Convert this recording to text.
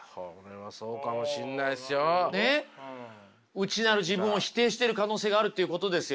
内なる自分を否定してる可能性があるっていうことですよ。